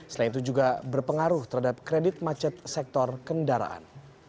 selain itu juga berpengaruh terhadap kredit macet sektor kendaraan